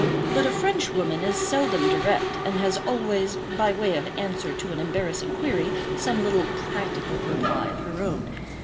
But a Frenchwoman is seldom direct, and has always, by way of answer to an embarrassing query, some little practical reply of her own.